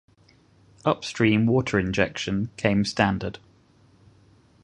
Upstream water injection came standard.